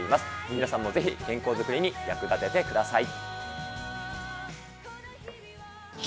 皆さんもぜひ健康作りに役立ててください。